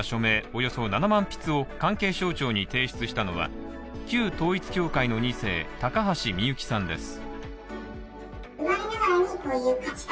およそ７万筆を関係省庁に提出したのは、旧統一教会の２世高橋みゆきさんです。